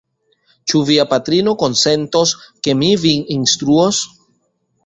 Ĉu via patrino konsentos, ke mi vin instruos?